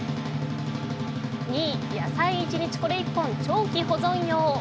２位、野菜一日これ一本長期保存用。